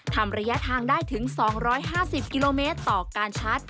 ทำระยะทางได้ถึง๒๕๐กิโลเมตร